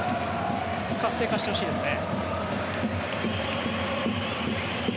活性化してほしいですね。